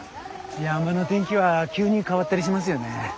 山の天気は急に変わったりしますよね。